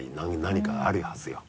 何かあるはずよ。